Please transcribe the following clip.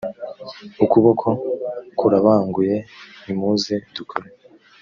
ukuboko kurabanguye nimuze dukore